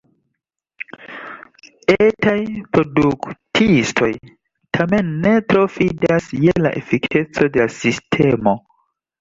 Etaj produktistoj tamen ne tro fidas je la efikeco de la sistemo.